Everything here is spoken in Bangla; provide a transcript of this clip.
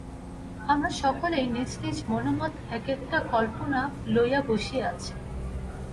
আমরা সকলেই নিজ নিজ মনোমত এক-একটা কল্পনা লইয়া বসিয়া আছি।